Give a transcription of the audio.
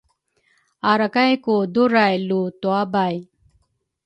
arakay ku duray lu tuabay